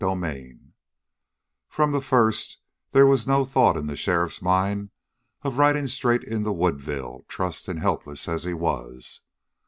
13 From the first there was no thought in the sheriff's mind of riding straight into Woodville, trussed and helpless as he was.